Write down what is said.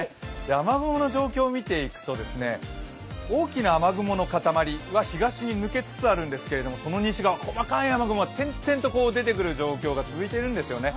雨雲の状況を見ていくと大きな雨雲の塊は東に抜けつつあるんですけれども西には細かい雨雲が点々と出てくる状況が続いてるんですよね。